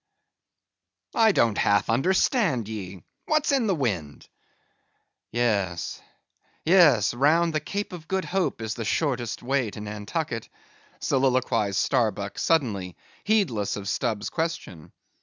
"I don't half understand ye: what's in the wind?" "Yes, yes, round the Cape of Good Hope is the shortest way to Nantucket," soliloquized Starbuck suddenly, heedless of Stubb's question.